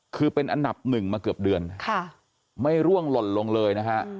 คือเป็นอันดับหนึ่งมาเกือบเดือนไม่ร่วงหล่นลงเลยนะฮะ